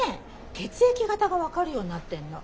血液型が分かるようになってんの。